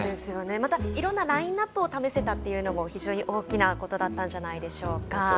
またいろんなラインアップを試せたというのも非常に大きなことだったんじゃないでしょうか。